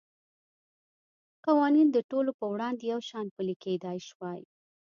قوانین د ټولو په وړاندې یو شان پلی کېدای شوای.